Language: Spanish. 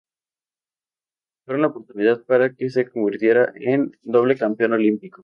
Fueron la oportunidad para que se convirtiera en doble campeón olímpico.